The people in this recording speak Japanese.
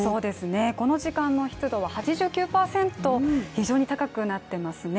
この時間の湿度は８９％、非常に高くなっていますね。